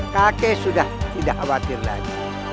kakek sudah tidak khawatir lagi